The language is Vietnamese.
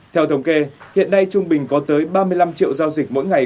theo thống kê hiện nay trung bình có tới ba mươi năm triệu giao dịch mỗi ngày